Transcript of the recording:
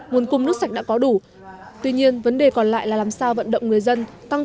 nguồn cung nước sạch đã có đủ tuy nhiên vấn đề còn lại là làm sao vận động người dân tăng